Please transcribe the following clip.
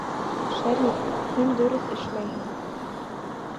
Шәриф, һин дөрөҫ эшләйһең.